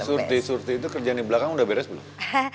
surti survei itu kerjaan di belakang udah beres belum